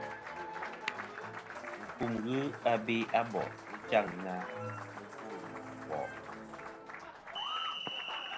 Mùkum ghɨ abe a bò' ghɨ jaŋ na mugwo mɨ a bò'.